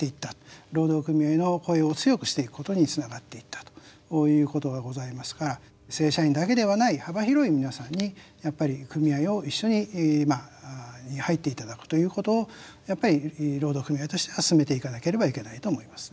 労働組合の声を強くしていくことにつながっていったということがございますが正社員だけではない幅広い皆さんにやっぱり組合を一緒にまあ入っていただくということをやっぱり労働組合としては進めていかなければいけないと思います。